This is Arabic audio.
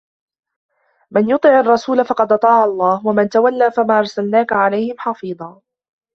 من يطع الرسول فقد أطاع الله ومن تولى فما أرسلناك عليهم حفيظا